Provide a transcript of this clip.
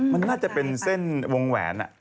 มันน่าจะเป็นเส้นวงแหวน